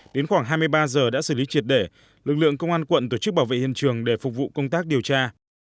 đến khoảng hai mươi ba giờ đã xử lý triệt để lực lượng công an quận tổ chức bảo vệ hiện trường để phục vụ công tác điều tra